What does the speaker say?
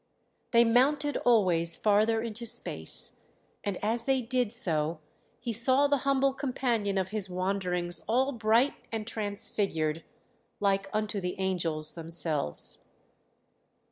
They mounted always farther into space, and as they did so he saw the humble companion of his wanderings all bright and transfigured, like unto the angels themselves.